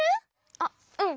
あっうん。